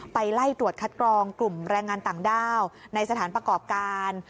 ไปไล่ตรวจคัดกรองกลุ่มแรงงานต่างด้าวในสถานประกอบการ